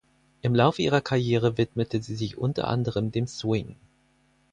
Im Laufe ihrer Karriere widmete sie sich unter anderem dem Swing.